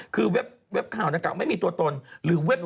คือเว็บข่าวดังกล่าไม่มีตัวตนหรือเว็บ